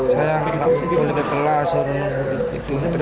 saya ketelah terus ditampar